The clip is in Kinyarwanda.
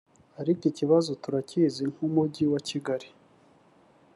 Ariko ikibazo turakizi nk’umujyi wa Kigali